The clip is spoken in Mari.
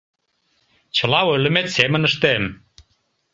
Чыла ойлымет семын ыштем.